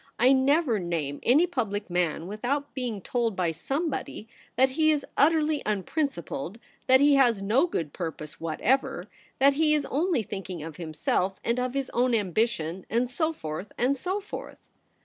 I never name any public man without being told by some body that he is utterly unprincipled, that he has no good purpose whatever, that he is only thinking of himself and of his own ambition, and so forth, and so forth.